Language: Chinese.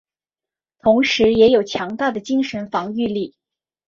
同时也有强大的精神防御力。